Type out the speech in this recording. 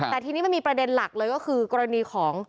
แต่ทีนี้มันมีประเด็นหลักเลยก็คือกรณีของ